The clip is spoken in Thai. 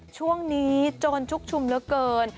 ช่วงนี้โจรชุกชุมเหลือเกิน